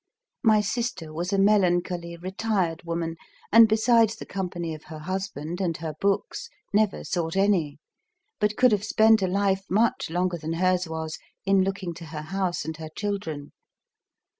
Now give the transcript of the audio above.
My sister was a melancholy, retired woman, and, besides the company of her husband and her books, never sought any, but could have spent a life much longer than hers was in looking to her house and her children.